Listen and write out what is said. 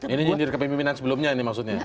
ini nyindir kepemimpinan sebelumnya ini maksudnya